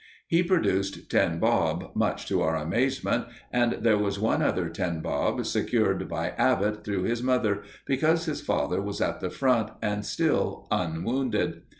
He produced ten bob, much to our amazement, and there was one other ten bob, secured by Abbott through his mother, because his father was at the Front and still unwounded.